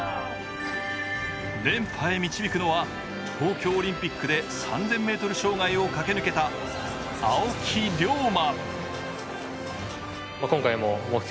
連覇へ導くのは東京オリンピックで３０００ｍ障害を駆け抜けた青木涼真。